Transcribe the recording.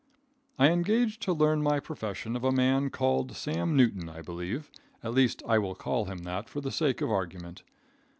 I engaged to learn my profession of a man called Sam Newton, I believe; at least I will call him that for the sake of argument.